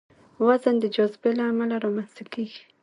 وزن د جاذبې له امله رامنځته کېږي.